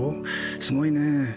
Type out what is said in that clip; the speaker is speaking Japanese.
すごいね。